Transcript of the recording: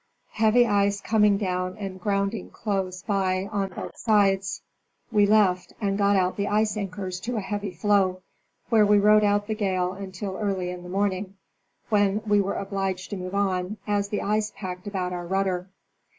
Heavy ice coming down and grounding close by on both sides, we left and got out the ice anchors to a heavy floe, where we rode out the gale until early in the morning, when we were obliged to move on, as the ice packed about our rudder.